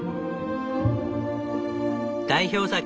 代表作